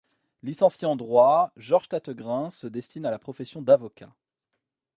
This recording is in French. Licencié en droit, Georges Tattegrain se destine à la profession d'avocat.